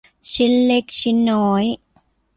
ชิ้นเล็กชิ้นน้อย